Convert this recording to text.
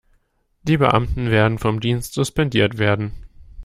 Die Beamten werden vom Dienst suspendiert werden.